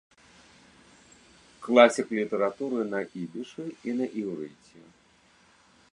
Класік літаратуры на ідышы і на іўрыце.